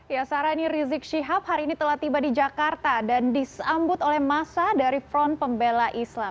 ya sarah ini rizik shihab hari ini telah tiba di jakarta dan disambut oleh massa dari front pembela islam